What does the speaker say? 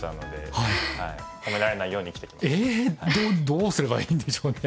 どうすればいいんでしょうね。